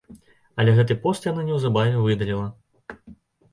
Але гэты пост яна неўзабаве выдаліла.